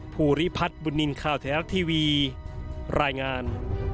ภูริพัฒน์บุญนินทร์ข่าวไทยรัฐทีวีรายงาน